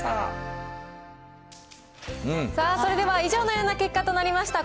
さあそれでは以上のような結果となりました。